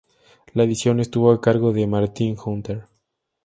La edición estuvo a cargo de Martin Hunter.